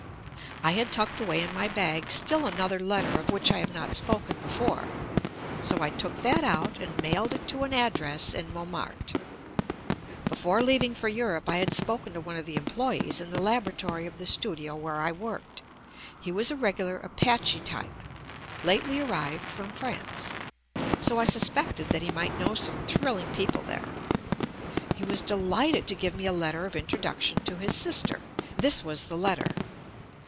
I had tucked away in my bag still another letter of which I have not spoken before, so I took that out and mailed it to an ad dress in Montmartre. Before leaving for Eu rope, I had spoken to one of the employees in the laboratory of the studio where I worked. He was a regular Apache type lately arrived from France, so I suspected that he might know some thrilling people there. He was de lighted to give me a letter of introduction to his sister — this was the letter.